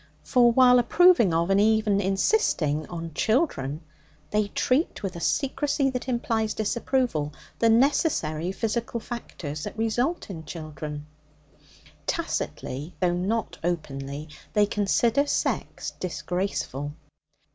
For while approving of, and even insisting on, children, they treat with a secrecy that implies disapproval the necessary physical factors that result in children. Tacitly, though not openly, they consider sex disgraceful.